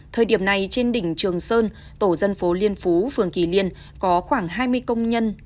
thời điểm này trên đỉnh trường sơn tổ dân phố liên phú phường kỳ liên có khoảng hai mươi công nhân